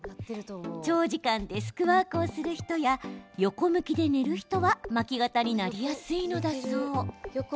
長時間デスクワークをする人や横向きで寝る人は巻き肩になりやすいのだそう。